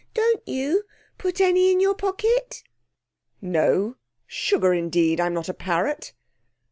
Don't you put any in your pocket?' 'No. Sugar, indeed! I'm not a parrot.'